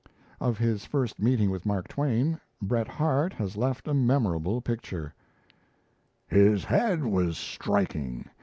Of his first meeting with Mark Twain, Bret Harte has left a memorable picture: "His head was striking.